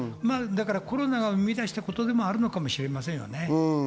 コロナが生み出したことでもあるかもしれませんね。